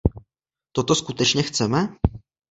Toto skutečně chceme?